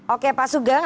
oke pak sugang